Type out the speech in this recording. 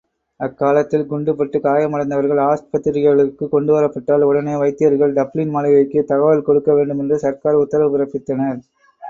அக்காலத்தில் குண்டுப்பட்டுக் காயமடைந்துவர்கள் ஆஸ்பத்திரிகளுக்குக் கொண்டுவரப்பட்டால், உடனே வைத்தியர்கள் டப்ளின் மாளிகைக்குத் தகவல்கொடுக்க வேண்டுமென்று சர்க்கார் உத்தரவு பிறப்பித்தனர்.